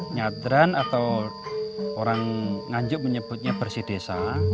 nyadran atau orang nganjuk menyebutnya bersih desa